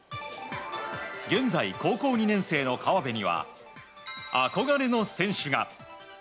現在、高校２年生の河辺には憧れの選手が。